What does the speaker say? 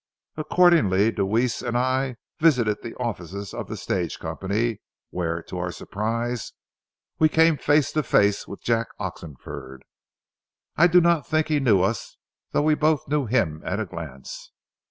Accordingly Deweese and I visited the offices of the stage company, where, to our surprise, we came face to face with Jack Oxenford. I do not think he knew us, though we both knew him at a glance.